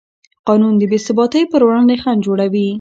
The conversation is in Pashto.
قانون د بېثباتۍ پر وړاندې خنډ جوړوي.